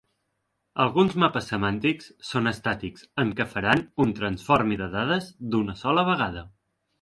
Alguns mapes semàntics són estàtics en què faran un Transformi de dades d'una sola vegada.